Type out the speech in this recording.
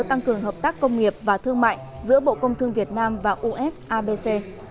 tăng cường hợp tác công nghiệp và thương mại giữa bộ công thương việt nam và us abc